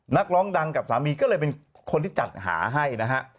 นักร้องดังกับสามีก็เลยเป็นคนที่จัดหาให้นะฮะ